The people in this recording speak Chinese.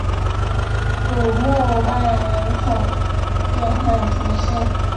古穆瓦人口变化图示